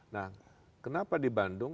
nah kenapa di bandung